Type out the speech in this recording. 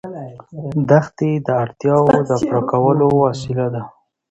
دښتې د اړتیاوو د پوره کولو وسیله ده.